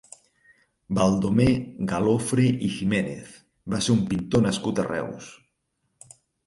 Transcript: Baldomer Galofre i Giménez va ser un pintor nascut a Reus.